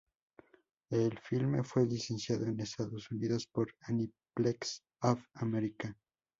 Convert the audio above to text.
El filme fue licenciado en Estados Unidos por Aniplex of America.